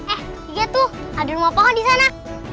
eh lihat tuh ada rumah pohon disana